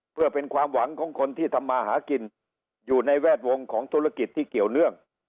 เพื่อเป็นความหวังของคนที่ทำมาหากินอยู่ในแวดวงของธุรกิจที่เกี่ยวเนื่อง